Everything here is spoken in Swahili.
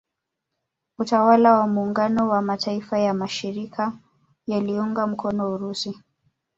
Utawala wa muungano wa Mataifa ya mashariki yaliiunga mkono Urusi